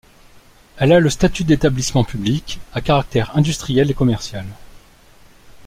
Elle a le statut d'établissement public à caractère industriel et commercial.